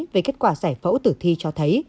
về kết quả giải phẫu tử thi cho thấy